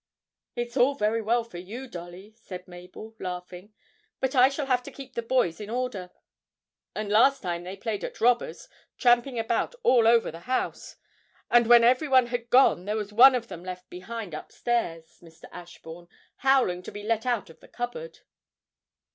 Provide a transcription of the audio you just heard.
'It's all very well for you, Dolly,' said Mabel, laughing, 'but I shall have to keep the boys in order; and last time they played at robbers, tramping about all over the house, and when everyone had gone there was one of them left behind upstairs, Mr. Ashburn, howling to be let out of the cupboard!'